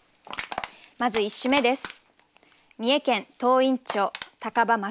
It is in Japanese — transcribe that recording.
まず１首目です。